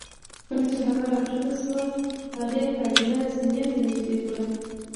کله چې هغه راښکته شو هغې کابینه زینې ته نږدې کړه